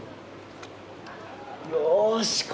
よし！